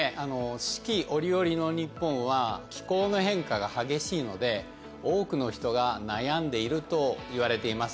四季折々の日本は気候の変化が激しいので、多くの人が悩んでいるといわれています。